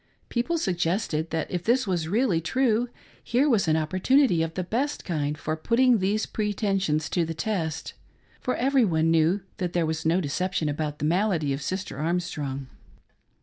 People suggested that if this was really true, here was an opportunity of the best kind for putting these pretensions to the test ; for every one knew that there was no deception about the malady of Sister' Armstrojig.